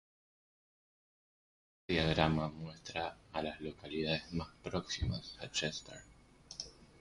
El siguiente diagrama muestra a las localidades más próximas a Chester.